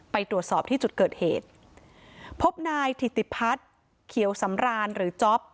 ไปตรวจสอบที่จุดเกิดเหตุพบนายถิติพัฒน์เขียวสำรานหรือจ๊อป